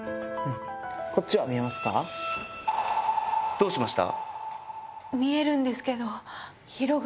どうしました？